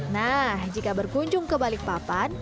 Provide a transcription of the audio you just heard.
nah jika berkunjung ke balikpapan